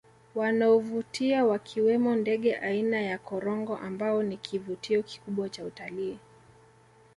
Wanaovutia wakiwemo ndege aina ya Korongo ambao ni kivutio kikubwa cha utalii